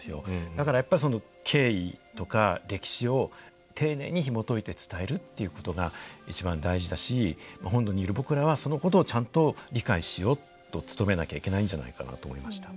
だからやっぱりその経緯とか歴史を丁寧にひもといて伝えるっていうことが一番大事だし本土にいる僕らはそのことをちゃんと理解しようと努めなきゃいけないんじゃないかなと思いました。